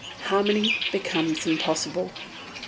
Harmony becomes impossible.